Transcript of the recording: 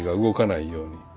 動かないように。